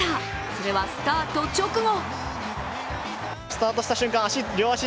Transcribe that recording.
それはスタート直後。